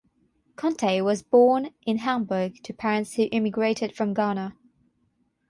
Conteh was born in Hamburg to parents who emigrated from Ghana.